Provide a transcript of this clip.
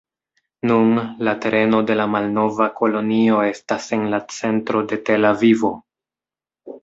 Nun, la tereno de la malnova kolonio estas en la centro de Tel-Avivo.